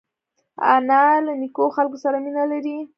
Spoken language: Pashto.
انا له نیکو خلکو سره مینه لري